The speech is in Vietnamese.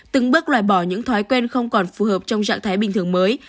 từng bước loại bỏ những thói quen không còn phù hợp trong trạng thái bình thường mới